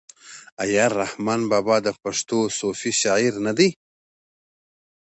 آیا رحمان بابا د پښتو صوفي شاعر نه دی؟